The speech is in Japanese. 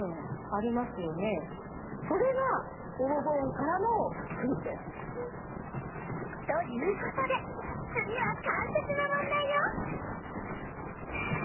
それがボボボーンからのクイズです！ということでつぎは関節のもんだいよ！